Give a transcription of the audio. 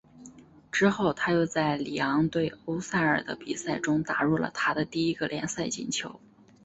之后他又在里昂对欧塞尔的比赛中打入了他的第一个联赛进球。